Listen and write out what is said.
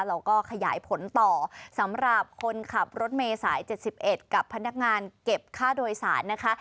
แล้วก็ขยายผลต่อสำหรับคนขับรถเมษายเจ็ดสิบเอ็ดกับพนักงานเก็บค่าโดยสารนะคะ